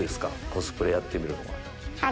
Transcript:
コスプレやってみるのは。